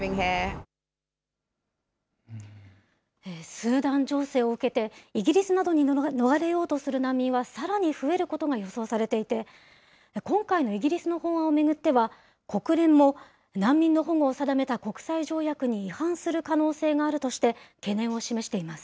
スーダン情勢を受けて、イギリスなどに逃れようとする難民は、さらに増えることが予想されていて、今回のイギリスの法案を巡っては、国連も難民の保護を定めた国際条約に違反する可能性があるとして、懸念を示しています。